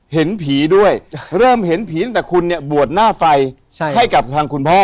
เห็นผีด้วยเริ่มเห็นผีตั้งแต่คุณเนี่ยบวชหน้าไฟให้กับทางคุณพ่อ